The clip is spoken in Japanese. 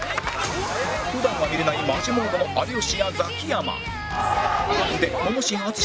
普段は見れないマジモードの有吉やザキヤマ